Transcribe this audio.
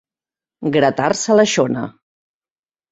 Gratar-se la xona.